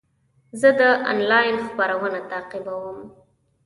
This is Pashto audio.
زه د انلاین خپرونه تعقیبوم.